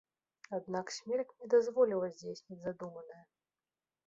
Аднак смерць не дазволіла здзейсніць задуманае.